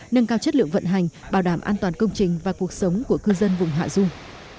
nâng cao chất lượng vận hành bảo đảm an toàn công trình và cuộc sống của cư dân vùng hạ dung